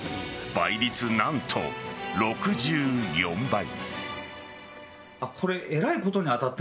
倍率、何と６４倍。